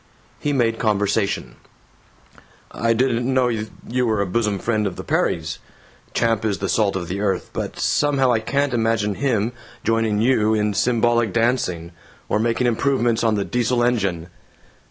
He made conversation: "I didn't know you were a bosom friend of the Perrys. Champ is the salt of the earth but somehow I can't imagine him joining you in symbolic dancing, or making improvements on the Diesel engine."